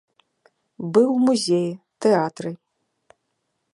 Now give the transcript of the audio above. Быў у музеі, тэатры.